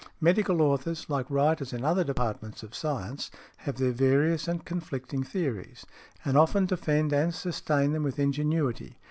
Medical authors, like writers in other departments of science, have their various and conflicting theories, and often defend and sustain them with ingenuity.